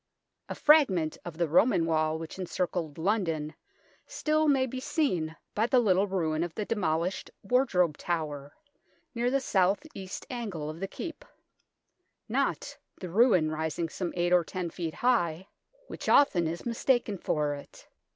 A fragment of the Roman wall which encircled London still may be seen by the little ruin of the demolished Wardrobe Tower, near the south east angle of the Keep not the ruin rising some eight or ten feet high, which often is THE FORTRESS 15 mistaken for it.